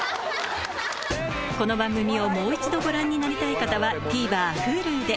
この番組をもう一度ご覧になりたい方はＴＶｅｒＨｕｌｕで